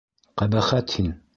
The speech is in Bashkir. Ҡәбәхәт һин!